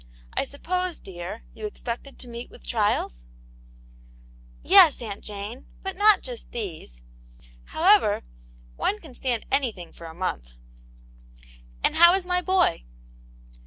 I suppose, dear, you expected to meet with trials V* "Yes, Aunt Jane, but not just these. However, one can stand anything for a month." " And how is my boy